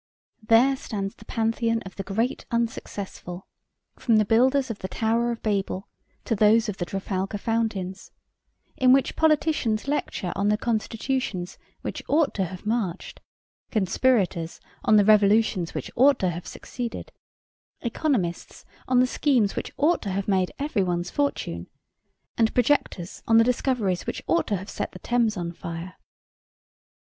There stands the Pantheon of the Great Unsuccessful, from the builders of the Tower of Babel to those of the Trafalgar Fountains; in which politicians lecture on the constitutions which ought to have marched, conspirators on the revolutions which ought to have succeeded, economists on the schemes which ought to have made every one's fortune, and projectors on the discoveries which ought to have set the Thames on fire.